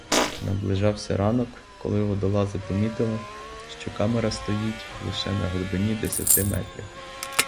Наближався ранок, коли водолази повідомили, що камера стоїть лише на глибині десяти метрів.